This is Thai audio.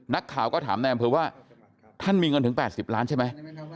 นักข่าวก็ถามนายอำเภอว่าท่านมีเงินถึง๘๐ล้านใช่ไหม